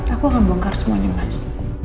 aku akan bongkar semuanya mas